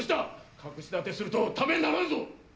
隠しだてするとためにならんぞ！